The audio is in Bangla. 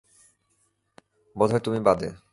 বোধহয় তুমি বাদে।